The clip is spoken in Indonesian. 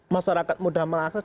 masyarakat mudah mengakses